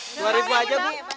suariku aja bu